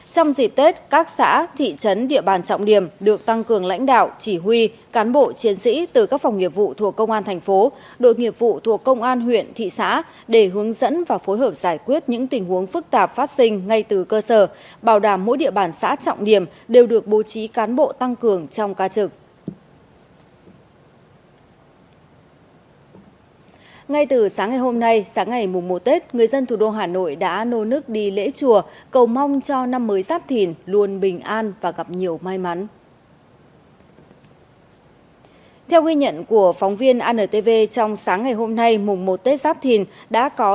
trong dịp tết các xã thị trấn địa bàn trọng điểm được tăng cường lãnh đạo chỉ huy cán bộ chiến sĩ từ các phòng nghiệp vụ thuộc công an thành phố đội nghiệp vụ thuộc công an huyện thị xã để hướng dẫn và phối hợp giải quyết những tình huống phức tạp phát sinh ngay từ cơ sở bảo đảm mỗi địa bàn xã trọng điểm đều được bố trí cán bộ tăng cường trong ca trực